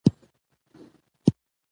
متني نقد د متن اصلي شکل وړاندي کوي.